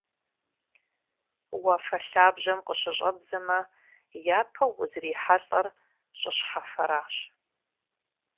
Уафэ лъабжьэм къыщыщӀэбдзэмэ, япэу узрихьэлӀэр щӀы щхьэфэращ.